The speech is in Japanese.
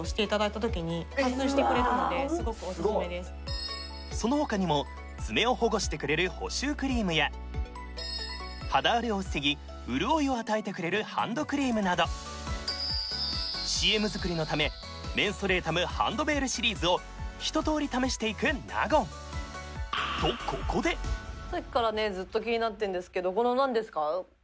うわその他にも爪を保護してくれる補修クリームや肌荒れを防ぎ潤いを与えてくれるハンドクリームなどＣＭ作りのためメンソレータムハンドベールシリーズを一とおり試していく納言この何ですか